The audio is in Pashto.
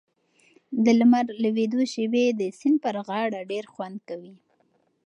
د لمر لوېدو شېبې د سیند پر غاړه ډېر خوند کوي.